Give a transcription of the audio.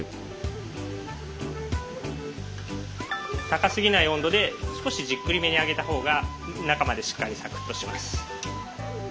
高すぎない温度で少しじっくりめに揚げた方が中までしっかりサクッとします。